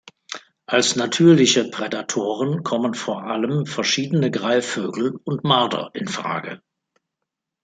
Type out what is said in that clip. Als natürliche Prädatoren kommen vor allem verschiedene Greifvögel und Marder in Frage.